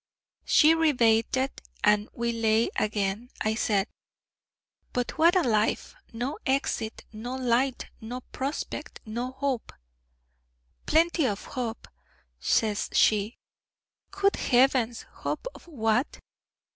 She re baited, and we lay again. I said: 'But what a life: no exit, no light, no prospect, no hope ' 'Plenty of hope!' says she. 'Good Heavens! hope of what?'